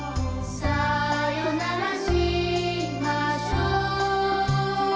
「さよならしましょ。」